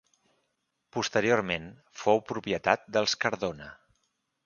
Posteriorment fou propietat dels Cardona.